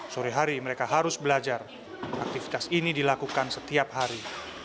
sore hari mereka harus belajar aktivitas ini dilakukan setiap hari